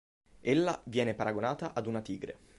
Ella viene paragonata ad una tigre.